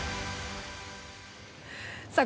さあ